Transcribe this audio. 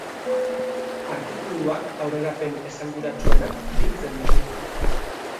Artikuluak aurrerapen esanguratsuenak biltzen ditu.